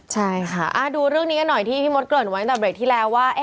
ใช่ค่ะดูเรื่องนี้กันหน่อยที่พี่มดเกริ่นไว้ตั้งแต่เบรกที่แล้วว่า